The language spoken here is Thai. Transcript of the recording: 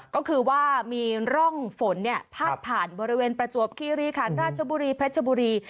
ก็คือว่ามีร่องฝนพาดผ่านบริเวณประจวบคีรีคันราชบุรีเพชรบุรี